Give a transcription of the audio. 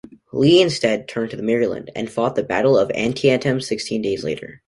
Lee instead turned to Maryland, and fought the Battle of Antietam sixteen days later.